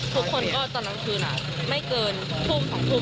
ทุกคนก็ตอนกลางคืนไม่เกินทุ่ม๒ทุ่ม